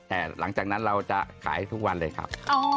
แต่หลังจากนั้นเราจะขายทุกวันเลยครับ